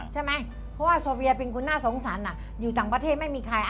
เพราะว่าโซเฟียพึ่งคุณน่าสงสัยน่ะอยู่ต่างประเทศไม่มีใคร